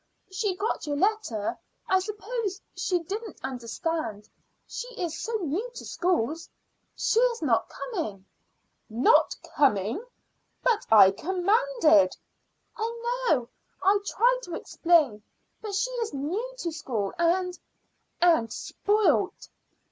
"She got your letter. I suppose she didn't understand; she is so new to schools. She is not coming." "Not coming? But I commanded." "I know, I tried to explain, but she is new to school and and spoilt."